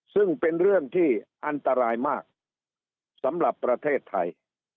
ซึ่งเป็นเรื่องที่อันตรายมากสำหรับประเทศไทย